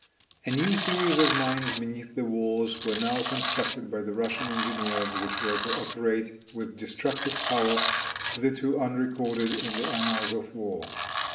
A new series of mines beneath the walls were now constructed by the Russian engineers, which were to operate with destructive power, hitherto unrecorded in the annals of war.